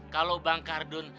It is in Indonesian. kalau bang kardun